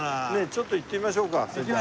ちょっと行ってみましょうかそれじゃあ。